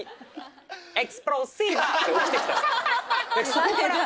そこから。